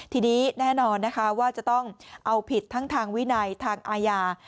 ทีนี้แน่นอนนะคะว่าจะต้องเอาผิดทั้งทางวินัยทางอาญา